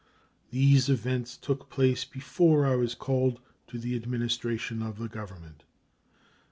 These events took place before I was called to the administration of the Government.